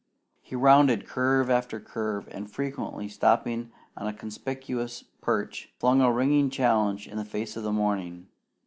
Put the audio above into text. He rounded curve after curve, and frequently stopping on a conspicuous perch, flung a ringing challenge in the face of the morning.